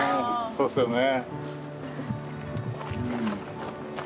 そうですよね。